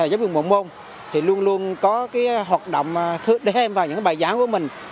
giám đốc bộ công an luôn luôn có hoạt động để em vào những bài giảng của mình